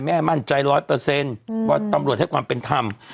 ไม่ต้องมั่นใจ๑๐๐เพราะตำรวจได้ความเป็นทำ